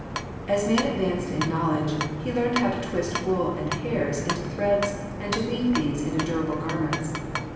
As man advanced in knowledge, he learned how to twist wool and hairs into threads and to weave these into durable garments.